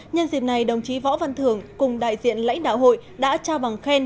nhân dịp này đồng chí võ văn thưởng cùng đại diện lãnh đạo hội đã trao bằng khen